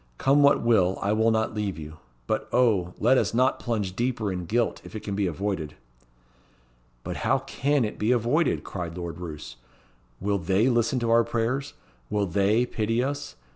Come what will, I will not leave you. But, O! let us not plunge deeper in guilt if it can be avoided." "But how can it be avoided?" cried Lord Roos. "Will they listen to our prayers? Will they pity us?